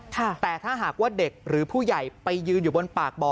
แต่ถ้าหากว่าเด็กหรือผู้ใหญ่ไปยืนอยู่บนปากบ่อ